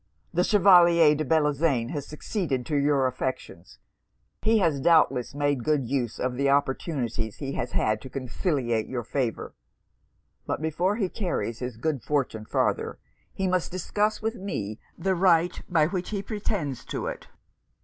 The Chevalier de Bellozane has succeeded to your affections. He has doubtless made good use of the opportunities he has had to conciliate your favour; but before he carries his good fortune farther, he must discuss with me the right by which he pretends to it.'